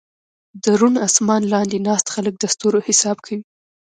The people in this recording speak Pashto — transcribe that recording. د روڼ اسمان لاندې ناست خلک د ستورو حساب کوي.